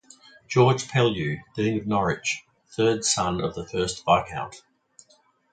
George Pellew, Dean of Norwich, third son of the first Viscount.